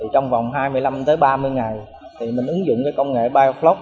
trong vòng hai mươi năm ba mươi ngày thì mình ứng dụng công nghệ biofloc